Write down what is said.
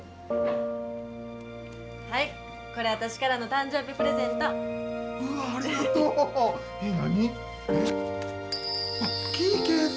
はい、これ私からの誕生日プうわー、ありがとう。何？